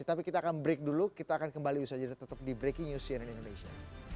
tapi kita akan break dulu kita akan kembali usaha jeda tetap di breaking news cnn indonesia